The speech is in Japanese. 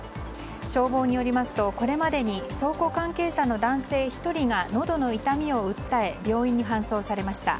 消防によりますと、これまでに倉庫関係者の男性１人がのどの痛みを訴え病院に搬送されました。